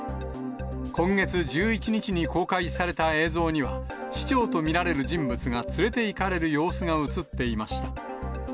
今月１１日に公開された映像には、市長と見られる人物が連れていかれる様子が映っていました。